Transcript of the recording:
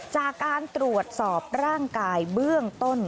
จากการตรวจสอบร่างกายเบื้องต้น